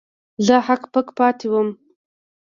زه هک پک پاتې وم.